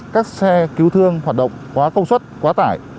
các xe cứu thương hoạt động quá công suất quá tải